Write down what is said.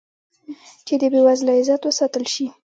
چې د بې وزله عزت وساتل شي.